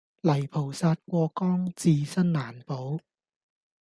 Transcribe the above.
泥菩薩過江自身難保